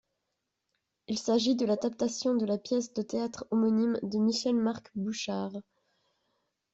Il s'agit de l'adaptation de la pièce de théâtre homonyme de Michel Marc Bouchard.